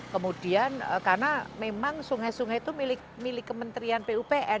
kemudian karena memang sungai sungai itu milik kementerian pupr